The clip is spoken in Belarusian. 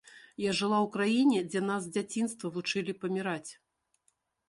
Я жыла ў краіне, дзе нас з дзяцінства вучылі паміраць.